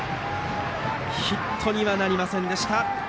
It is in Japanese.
ヒットにはなりませんでした。